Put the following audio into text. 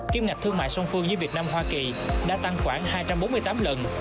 kim ngạch thương mại song phương giữa việt nam hoa kỳ đã tăng khoảng hai trăm bốn mươi tám lần